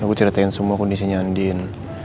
aku ceritain semua kondisinya andin